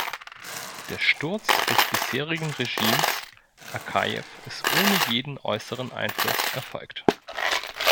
Der Sturz des bisherigen Regimes Akajew ist ohne jeden äußeren Einfluss erfolgt.